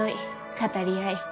語り合い